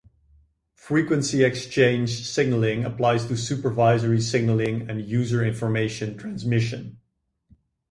Frequency-exchange signaling applies to supervisory signaling and user-information transmission.